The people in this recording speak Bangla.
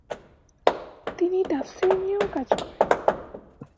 তিনি তাফসীর নিয়েও কাজ করেন।